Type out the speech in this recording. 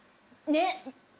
ねっ。